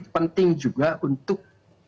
penting juga untuk